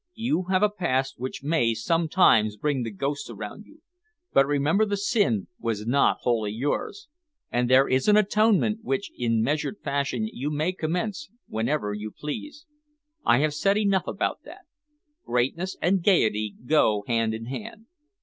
You have a past which may sometimes bring the ghosts around you, but remember the sin was not wholly yours, and there is an atonement which in measured fashion you may commence whenever you please. I have said enough about that. Greatness and gaiety go hand in hand.